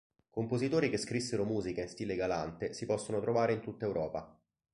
Compositori che scrissero musica in stile galante si possono trovare in tutta Europa.